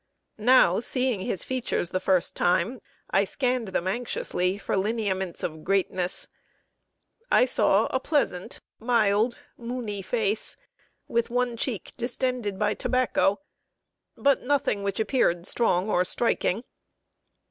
Now, seeing his features the first time, I scanned them anxiously for lineaments of greatness. I saw a pleasant, mild, moony face, with one cheek distended by tobacco; but nothing which appeared strong or striking.